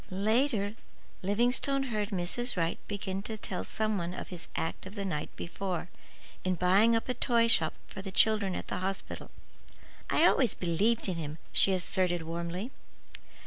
Later, Livingstone heard Mrs. Wright begin to tell some one of his act of the night before, in buying up a toy shop for the children at the hospital. "I always believed in him," she asserted warmly.